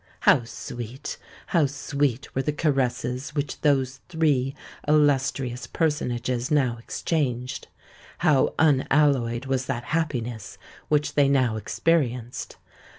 How sweet—how sweet were the caresses which those three illustrious personages now exchanged:—how unalloyed was that happiness which they now experienced!